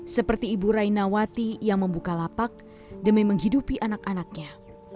seperti ibu rainawati yang membuka lapak demi menghidupi anak anaknya